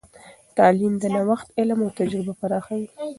تعلیم د نوښت علم او تجربې پراخوي.